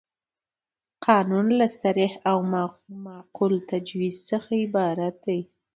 قانون له صریح او معقول تجویز څخه عبارت دی.